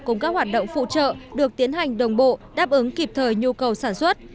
cùng các hoạt động phụ trợ được tiến hành đồng bộ đáp ứng kịp thời nhu cầu sản xuất